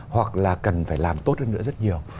hoặc là cần phải làm tốt hơn nữa rất nhiều